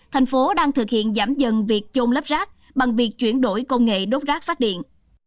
thành phố đang thực hiện giảm dần việc chôn lấp rác bằng việc chuyển đổi công nghệ đốt rác phát điện